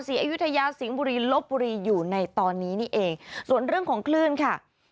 อายุทยาสิงห์บุรีลบบุรีอยู่ในตอนนี้นี่เองส่วนเรื่องของคลื่นค่ะ